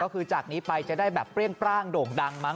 ก็คือจากนี้ไปจะได้แบบเปรี้ยงปร่างโด่งดังมั้